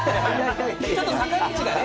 ちょっと坂道がね。